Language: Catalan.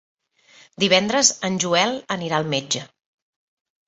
Divendres en Joel anirà al metge.